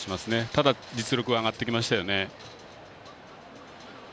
ただ、実力は上がってきましたよね。